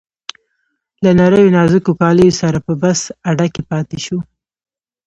له نریو نازکو کالیو سره په بس اډه کې پاتې شو.